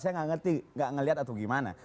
saya tidak ngerti tidak melihat atau bagaimana